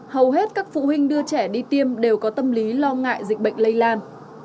hầu hết các phụ huynh đưa trẻ đi tiêm đều có tâm lý lo ngại dịch bệnh lây lan